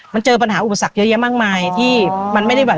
มันเจอปัญหาอุปสรรคเยอะแยะมากมายที่มันไม่ได้แบบ